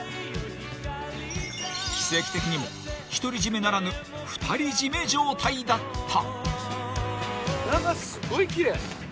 ［奇跡的にも独り占めならぬ二人占め状態だった］